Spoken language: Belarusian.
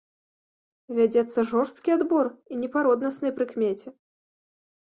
Вядзецца жорсткі адбор, і не па роднаснай прыкмеце.